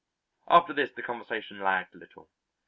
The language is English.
After this the conversation lagged a little.